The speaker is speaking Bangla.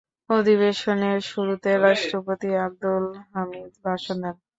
অধিবেশনের শুরুতে রাষ্ট্রপতি আব্দুল হামিদ ভাষণ দেন।